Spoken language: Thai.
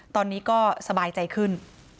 ตอนนี้ก็สบายใจขึ้น